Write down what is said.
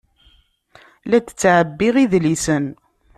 La d-ttɛebbiɣ idlisen.